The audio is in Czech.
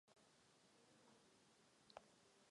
Politika laissez-faire je nepřijatelná.